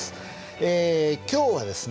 え今日はですね